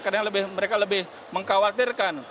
karena mereka lebih mengkhawatirkan